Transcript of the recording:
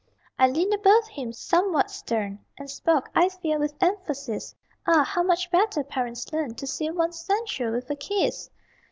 I leaned above him, somewhat stern, And spoke, I fear, with emphasis Ah, how much better, parents learn, To seal one's censure with a kiss!